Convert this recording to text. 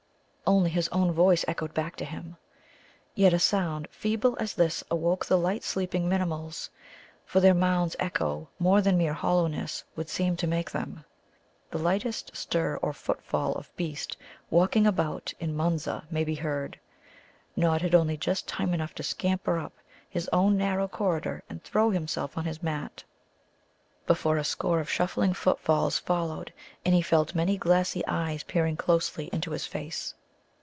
Only his own voice echoed back to him. Yet a sound feeble as this awoke the light sleeping Minimuls. For their mounds echo more than mere hollowness would seem to make them. The lightest stir or footfall of beast walking above in Munza may be heard. Nod had only just time enough to scamper up his own narrow corridor and throw himself on his mat before a score of shuffling footfalls followed, and he felt many glassy eyes peering closely into his face.